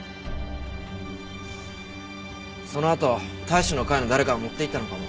そのあと隊士の会の誰かが持っていったのかも。